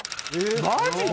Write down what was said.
マジで？